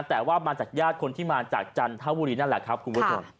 แต่ว่ามาจากญาติคนที่มาจากจันทบุรีนั่นแหละครับคุณผู้ชม